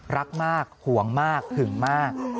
รักมากห่วงมากถึงมาก